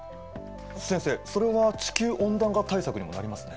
先生それは地球温暖化対策にもなりますね。